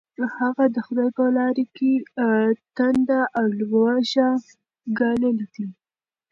هغه د خدای په لاره کې تنده او لوږه ګاللې ده.